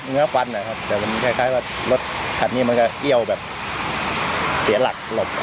ฟันนะครับแต่มันคล้ายว่ารถคันนี้มันก็เอี้ยวแบบเสียหลักหลบ